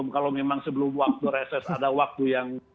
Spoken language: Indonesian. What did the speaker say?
kalau memang sebelum waktu reses ada waktu yang